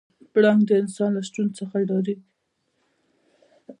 پړانګ د انسان له شتون څخه ډارېږي.